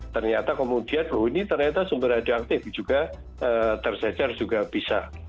ternyata kemudian oh ini ternyata sumber radioaktif juga tercecer juga bisa